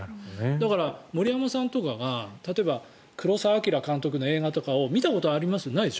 だから、森山さんとかが例えば、黒澤明監督の映画とかを見たことあります？